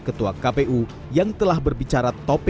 keputusan kpu yang ditutup